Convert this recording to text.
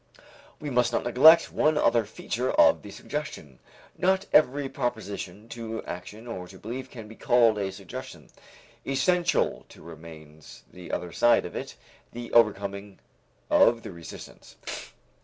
We must not neglect one other feature of the suggestion. Not every proposition to action or to belief can be called a suggestion. Essential too remains the other side of it, the overcoming of the resistance.